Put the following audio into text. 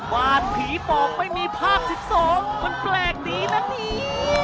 วานผีปอบไม่มีภาพ๑๒มันแปลกดีนะนี่